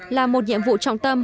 là một nhiệm vụ trọng tâm